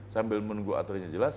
sambil menunggu aturannya jelas